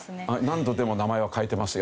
何度でも名前は変えてますよ。